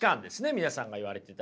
皆さんが言われてた。